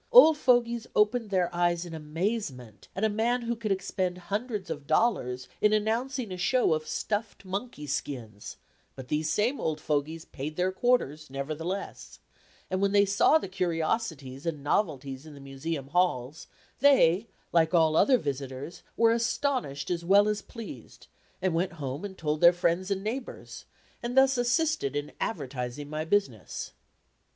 Old "fogies" opened their eyes in amazement at a man who could expend hundreds of dollars in announcing a show of "stuffed monkey skins"; but these same old fogies paid their quarters, nevertheless, and when they saw the curiosities and novelties in the Museum halls, they, like all other visitors, were astonished as well as pleased, and went home and told their friends and neighbors and thus assisted in advertising my business.